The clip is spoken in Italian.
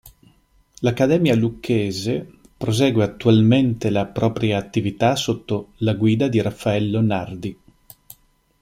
L'Accademia lucchese prosegue attualmente la propria attività sotto la guida di Raffaello Nardi.